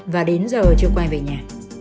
và đến giờ chưa quay về nhà